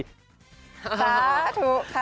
ค่ะถูกค่ะ